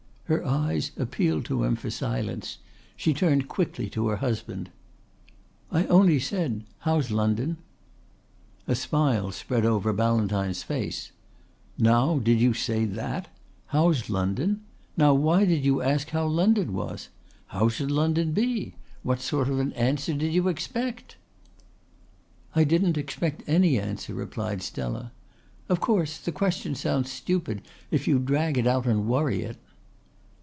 Her eyes appealed to him for silence; she turned quickly to her husband. "I only said how's London?" A smile spread over Ballantyne's face. "Now did you say that? How's London! Now why did you ask how London was? How should London be? What sort of an answer did you expect?" "I didn't expect any answer," replied Stella. "Of course the question sounds stupid if you drag it out and worry it."